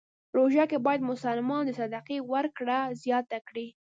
روژه کې باید مسلمان د صدقې ورکړه زیاته کړی.